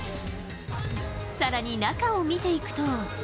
さらに中を見ていくと。